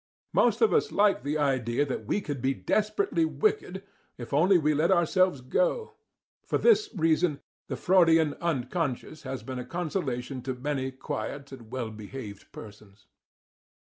Most of us like the idea that we could be desperately wicked if only we let ourselves go. For this reason, the Freudian "unconscious" has been a consolation to many quiet and well behaved persons.